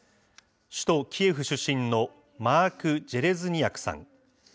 首都キエフ出身のマーク・ジェレズニヤクさん。